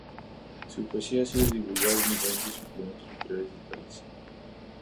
Su poesía ha sido divulgada en diferentes suplementos literarios del país.